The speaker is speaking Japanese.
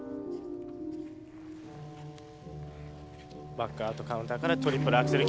バックアウトカウンターからトリプルアクセル